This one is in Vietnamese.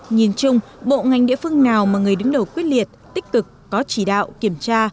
nhìn chung bộ ngành địa phương nào mà người đứng đầu quyết liệt tích cực có chỉ đạo kiểm tra